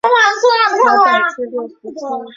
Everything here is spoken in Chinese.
台北至六福村。